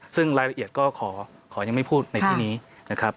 ซึ่งรายละเอียดก็ขอยังไม่พูดในที่นี้นะครับ